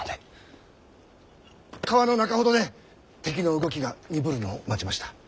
川の中ほどで敵の動きが鈍るのを待ちました。